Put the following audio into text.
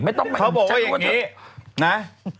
เค้าบอกว่าอย่างงี้